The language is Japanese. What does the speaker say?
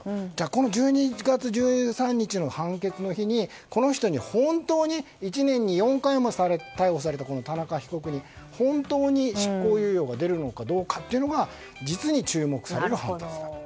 この１２月１３日の判決の日に１年に４回も逮捕された田中被告に、本当に執行猶予が出るのかどうかが実に注目される判決と。